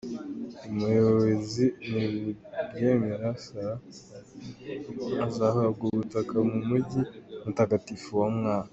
Ubuyobozi nibubyemera Salah azahabwa ubutaka mu mujyi mutagatifu wa Maka.